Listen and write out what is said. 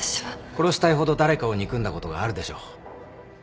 殺したいほど誰かを憎んだことがあるでしょう？